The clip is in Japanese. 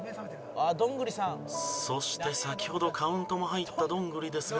「あっどんぐりさん」そして先ほどカウントも入ったどんぐりですが。